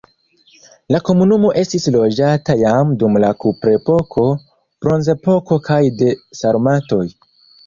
La komunumo estis loĝata jam dum la kuprepoko, bronzepoko kaj de sarmatoj.